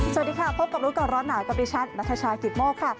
สวัสดีค่ะพบกับรู้ก่อนร้อนหนาวกับดิฉันนัทชายกิตโมกค่ะ